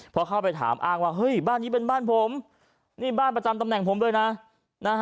พอเข้าไปถามอ้างว่าเฮ้ยบ้านนี้เป็นบ้านผมนี่บ้านประจำตำแหน่งผมเลยนะนะฮะ